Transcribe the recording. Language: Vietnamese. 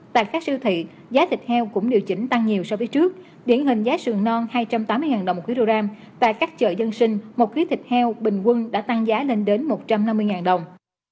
tại các siêu thị giá thịt heo cũng điều chỉnh tăng nhiều so với trước điển hình giá sườn non hai trăm tám mươi đồng một kg tại các chợ dân sinh một khí thịt heo bình quân đã tăng giá lên đến một trăm năm mươi đồng